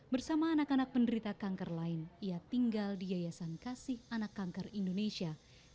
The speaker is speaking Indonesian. bersama anak anak penderita kanker lain ia tinggal di yayasan kasih anak kanker indonesia